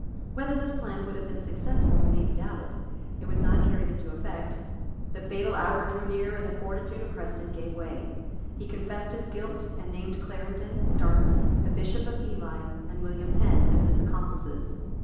Whether this plan would have been successful may be doubted; it was not carried into effect; the fatal hour drew near; and the fortitude of Preston gave way. He confessed his guilt, and named Clarendon, Dartmouth, the Bishop of Ely and William Penn, as his accomplices.